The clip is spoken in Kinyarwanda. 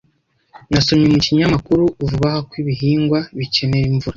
Nasomye mu kinyamakuru vuba aha ko ibihingwa bikenera imvura.